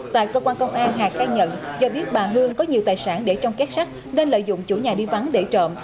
tại cơ quan công an hạc khai nhận do biết bà hương có nhiều tài sản để trong kết sắt nên lợi dụng chủ nhà đi vắng để trộm